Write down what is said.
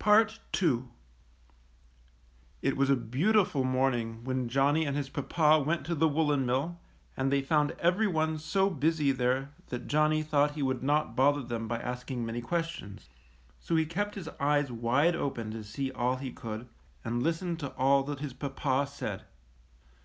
PART II. It was a beautiful morning when Johnny and his papa went to the woolen mill, and they found every one so busy there that 152 NANNIE'S COAT. Johnny thought he would not bother them by asking many questions; so he kept his eyes wide open to see all he could, and listened to all that his papa said.